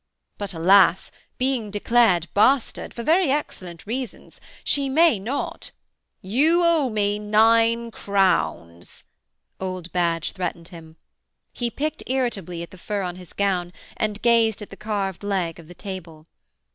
'But alas! being declared bastard for very excellent reasons she may not ' 'You owe me nine crowns,' old Badge threatened him. He picked irritably at the fur on his gown and gazed at the carved leg of the table.